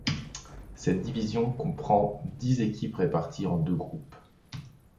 Cette division comprend dix équipes réparties en deux groupes.